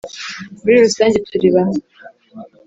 muri rusange turi bamwe.